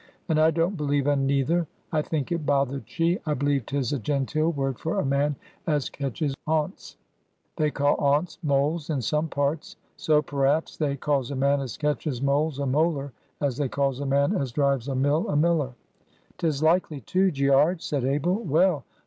"And I don't believe un neither. I think it bothered she. I believe 'tis a genteel word for a man as catches oonts. They call oonts moles in some parts, so p'r'aps they calls a man as catches moles a molar, as they calls a man as drives a mill a miller." "'Tis likely too, Gearge," said Abel. "Well!